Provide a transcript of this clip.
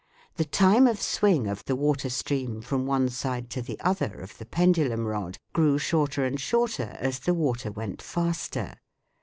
The time of swing of the water stream from one side to the other of the pendulum rod grew shorter and shorter as the water went faster.